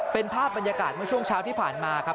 เป็นภาพบรรยากาศเมื่อช่วงเช้าที่ผ่านมาครับ